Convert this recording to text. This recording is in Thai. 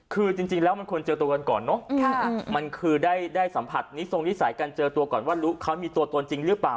คือจริงแล้วมันควรเจอตัวกันก่อนเนอะมันคือได้สัมผัสนิทรงนิสัยการเจอตัวก่อนว่าเขามีตัวตนจริงหรือเปล่า